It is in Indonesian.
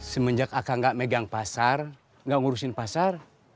semenjak akan nggak megang pasar gak ngurusin pasar